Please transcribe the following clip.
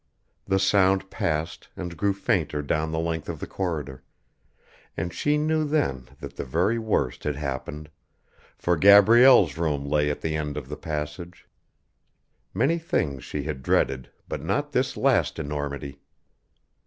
The sound passed and grew fainter down the length of the corridor, and she knew then that the very worst had happened, for Gabrielle's room lay at the end of the passage. Many things she had dreaded, but not this last enormity.